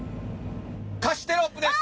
歌詞テロップです！